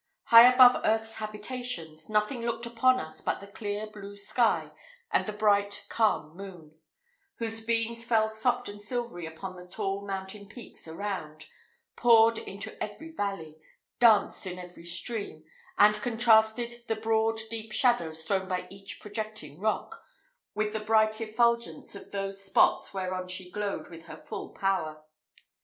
High above earth's habitations, nothing looked upon us but the clear blue sky and the bright calm moon, whose beams fell soft and silvery upon the tall mountain peaks around poured into every valley danced in every stream, and contrasted the broad, deep shadows thrown by each projecting rock, with the bright effulgence of those spots whereon she glowed with her full power.